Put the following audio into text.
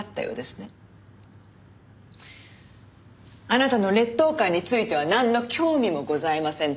あなたの劣等感についてはなんの興味もございません。